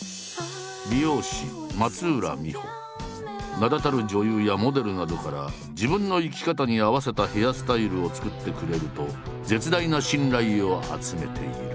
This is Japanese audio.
名だたる女優やモデルなどから自分の生き方に合わせたヘアスタイルを作ってくれると絶大な信頼を集めている。